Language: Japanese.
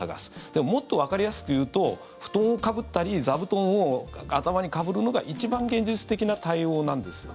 でも、もっとわかりやすく言うと布団をかぶったり座布団を頭にかぶるのが一番現実的な対応なんですよ。